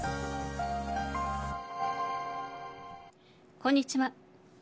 こんにちは。